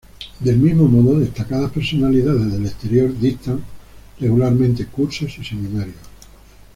Del mismo modo, destacadas personalidades del exterior dictan regularmente cursos y seminarios.